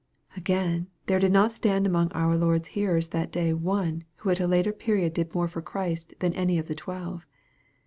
Again, there did not stand among our Lord's hearers that day one who at a later period did more for Christ than any of the twelve.